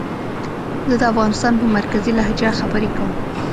زه د افغانستان په مرکزي لهجه خبرې کووم